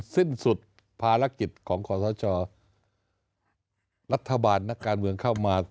สิ้นสุดภารกิจของขอสชรัฐบาลนักการเมืองเข้ามา